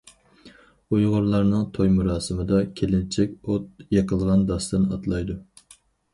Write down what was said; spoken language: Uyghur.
ئۇيغۇرلارنىڭ توي مۇراسىمىدا، كېلىنچەك ئوت يېقىلغان داستىن ئاتلايدۇ.